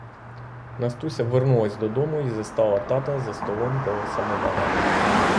Настуся вернулась додому й застала тата за столом коло самовара.